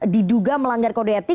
diduga melanggar kode etik